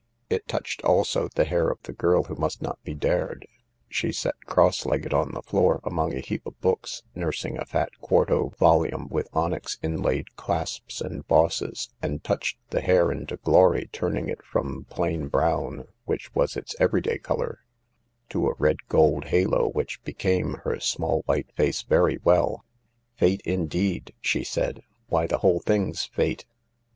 It touched also the hair of the girl who must not be dared ; she sat cross legged on the floor among a heap of books, nursing a fat quarto volume with onyx inlaid clasps and bosses, and touched the hair into glory, turning it from plain brown, which was its everyday colour, to a red gold halo which became her small white face very well. " Fate, indeed !" she said. " Why, the whole thing's Fate.